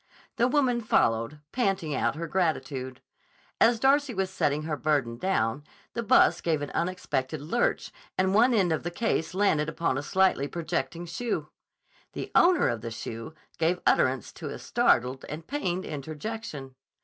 The woman followed, panting out her gratitude. As Darcy was setting her burden down, the bus gave an unexpected lurch and one end of the case landed upon a slightly projecting shoe. The owner of the shoe gave utterance to a startled and pained interjection.